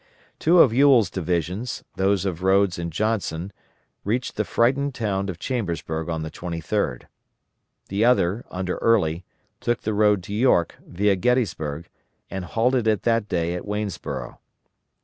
Two of Ewell's divisions, those of Rodes and Johnson, reached the frightened town of Chambersburg on the 23d. The other, under Early, took the road to York, via Gettysburg, and halted on that day at Waynesborough.